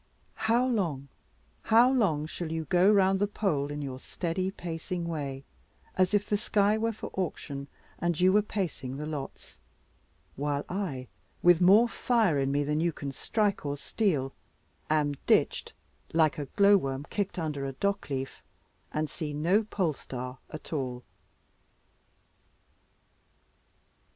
How long, how long shall you go round the pole in your steady pacing way, as if the sky were for auction, and you were pacing the lots; while I, with more fire in me than you can strike or steal, am ditched like a glow worm kicked under a dock leaf, and see no polestar at all?